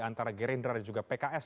antara gerindra dan juga pks